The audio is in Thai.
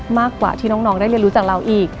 มากกว่าที่น้องได้เรียนรู้จากเราอีก